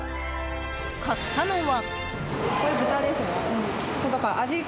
買ったのは。